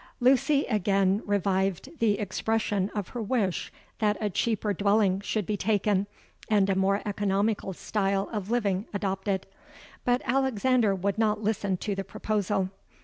"Lucy again revived the expression of her wish that a cheaper dwelling should be taken and a more economical style of living adopted. But Alexander would not listen to the proposal.